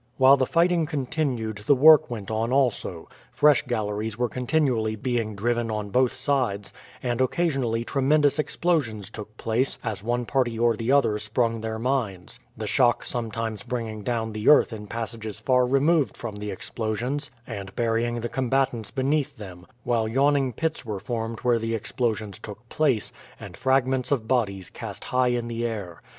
While the fighting continued the work went on also. Fresh galleries were continually being driven on both sides, and occasionally tremendous explosions took place as one party or the other sprung their mines; the shock sometimes bringing down the earth in passages far removed from the explosions, and burying the combatants beneath them; while yawning pits were formed where the explosions took place, and fragments of bodies cast high in the air.